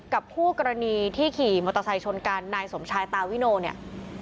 คู่กรณีที่ขี่มอเตอร์ไซค์ชนกันนายสมชายตาวิโนเนี่ย